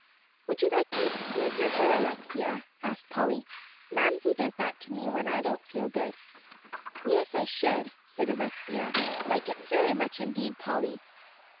"Wouldn't you like me to smooth your hair, Alexia?" asked Polly. "Mamsie does that to me when I don't feel good." "Yes, I should," said Alexia, "like it very much indeed, Polly."